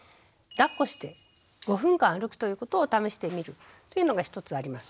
だっこして５分間歩くということを試してみるというのが一つあります。